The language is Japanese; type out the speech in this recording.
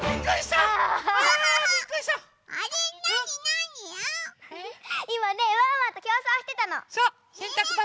いまねワンワンときょうそうしてたの。